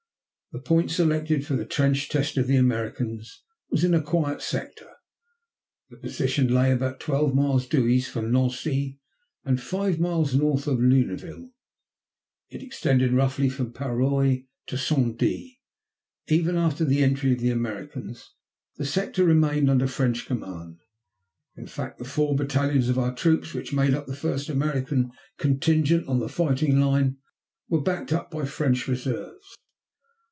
The point selected for the trench test of the Americans was in a quiet sector. The position lay about twelve miles due east from Nancy and five miles north of Lunéville. It extended roughly from Parroy to Saint Die. Even after the entry of the Americans the sector remained under French command. In fact, the four battalions of our troops which made up the first American contingent on the fighting line were backed up by French reserves.